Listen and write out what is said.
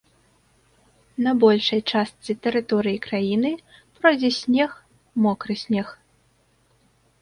На большай частцы тэрыторыі краіны пройдзе снег, мокры снег.